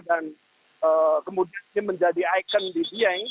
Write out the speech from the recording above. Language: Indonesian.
dan kemudian menjadi ikon di dieng